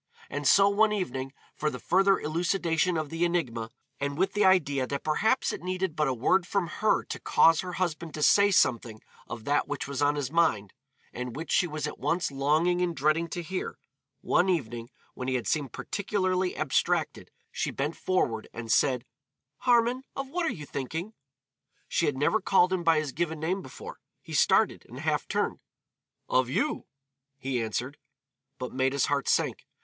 And so, one evening, for the further elucidation of the enigma, and with the idea that perhaps it needed but a word from her to cause her husband to say something of that which was on his mind, and which she was at once longing and dreading to hear one evening when he had seemed particularly abstracted, she bent forward and said, "Harmon, of what are you thinking?" She had never called him by his given name before. He started, and half turned. "Of you," he answered. But Maida's heart sank.